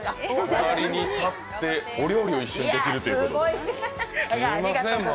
隣に立ってお料理を一緒にできるということで。